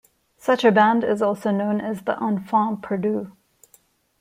Such a band is also known as the "enfants perdus".